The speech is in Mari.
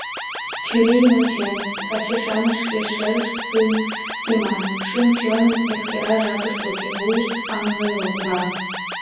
Чурийым ончен, каче-шамыч шке шерыштым темат, шӱм-чоным эскераш жапышт уке, вуйышт аҥырга.